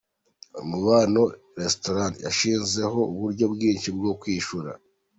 Umubano restaurant yashyizeho uburyo bwinshi bwo kwishyura.